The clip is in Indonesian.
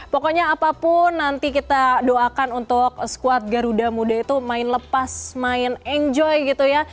pokoknya apapun nanti kita doakan untuk skuad garuda muda itu main lepas main enjoy gitu ya